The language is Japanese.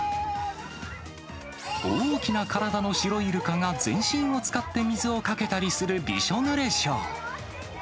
大きな体のシロイルカが全身を使って水をかけたりするびしょぬれショー。